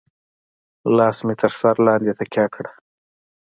لاس مې تر سر لاندې تکيه کړه.